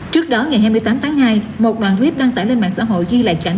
trước đó ngày hai mươi tám tháng hai một đoạn clip đăng tải lên mạng xã hội ghi lại chặng